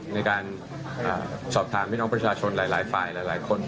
ในการสอบถามพี่น้องประชาชนหลายฝ่ายหลายคน